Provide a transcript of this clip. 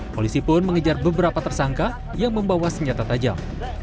polisi pun mengejar beberapa tersangka yang membawa senjata tajam